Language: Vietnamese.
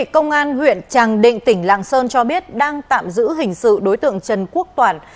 công an huyện tràng định tỉnh lạng sơn cho biết đang tạm giữ hình sự đối tượng trần quốc toản